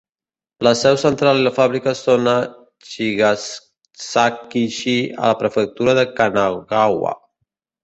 La seu central i la fàbrica són a Chigasaki-shi, a la prefectura de Kanagawa.